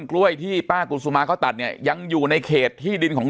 กล้วยที่ป้ากุศุมาเขาตัดเนี่ยยังอยู่ในเขตที่ดินของ